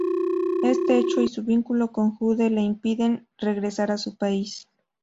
Este hecho y su vínculo con Jude le impiden regresar a su país.